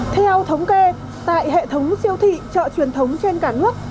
theo thống kê tại hệ thống siêu thị chợ truyền thống trên cả nước